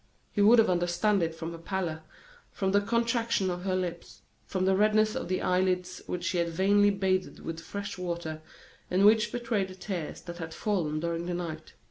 He would have understood it from her pallor, from the contraction of her lips, from the redness of the eyelids which she had vainly bathed with fresh water, and which betrayed the tears that had fallen during the night.